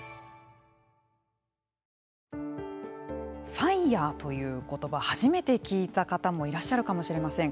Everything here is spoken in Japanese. ＦＩＲＥという言葉、初めて聞いた方もいらっしゃるかもしれません。